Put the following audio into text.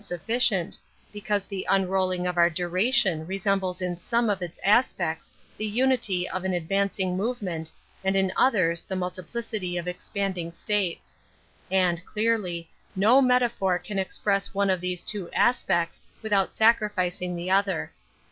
sufficient, because the unrolling of our / duration resembles in some of its aspects \ the unity of an advancing movement and \in others the multiplicity of expanding Metaphysics 15 states; and, clearly, no metaphor can ex ^ press one of these two aspects without sacrificing the other.